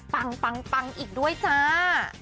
ปังอีกด้วยจ้า